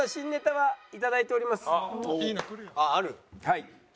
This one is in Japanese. はい。